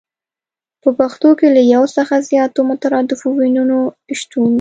په پښتو کې له يو څخه زياتو مترادفو ويونو شتون